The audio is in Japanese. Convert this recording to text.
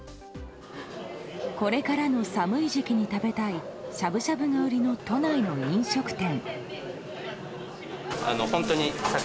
これからの寒い時期に食べたいしゃぶしゃぶが売りの都内の飲食店。